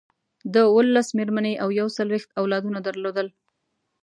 ده اوولس مېرمنې او یو څلویښت اولادونه درلودل.